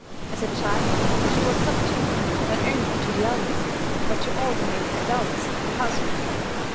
As a child she was subject, not only to the elders, but to all the male adults of the household.